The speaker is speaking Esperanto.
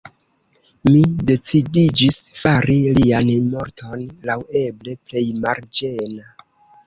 Mi decidiĝis fari lian morton laŭeble plej malĝena.